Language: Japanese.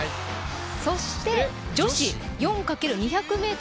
そして、女子４×２００ｍ